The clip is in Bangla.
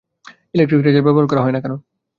ইলেকট্রিক রেজর ব্যবহার কর না কেন?